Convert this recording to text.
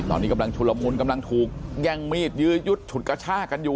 ตอนนี้กำลังชุลมุนกำลังถูกแย่งมีดยื้อยุดฉุดกระชากันอยู่